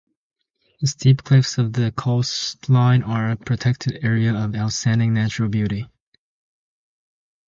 The steep cliffs of the coastline are a protected area of outstanding natural beauty.